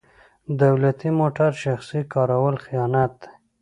دولتي موټر شخصي کارول خیانت دی.